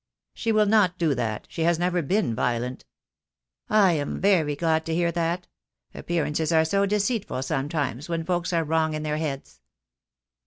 "She will not do that. She has never been violent." "I am very glad to hear that. Appearances are so deceitful sometimes when folks are wrong in their heads."